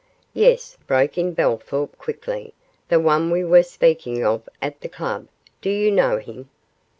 'Yes,' broke in Bellthorp, quickly; 'the one we were speaking of at the club do you know him?